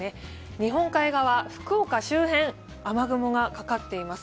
日本海側、福岡周辺、雨雲がかかっています。